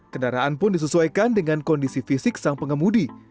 kendaraan pun disesuaikan dengan kondisi fisik sang pengemudi